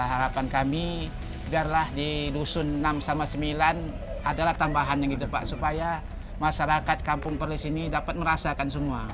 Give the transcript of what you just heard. harapan kami biarlah di dusun enam sama sembilan adalah tambahan yang gitu pak supaya masyarakat kampung perlis ini dapat merasakan semua